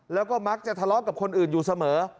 แล้วก็มักจะทะเลาะกับคนอื่นอยู่เสมอ